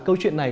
câu chuyện này